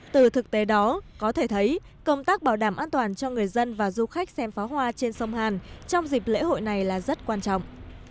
từ thực tế đó có thể thấy công tác bảo đảm an toàn cho người dân và du khách xem phá hoa trên sông hàn trong dịp lễ hội này là rất quan trọng